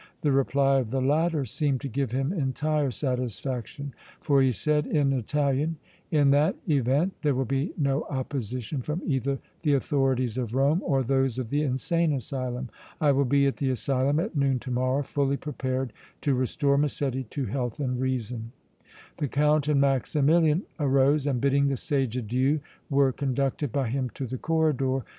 The reply of the latter seemed to give him entire satisfaction, for he said in Italian: "In that event there will be no opposition from either the authorities of Rome or those of the insane asylum. I will be at the asylum at noon to morrow, fully prepared to restore Massetti to health and reason!" The Count and Maximilian arose and bidding the sage adieu were conducted by him to the corridor.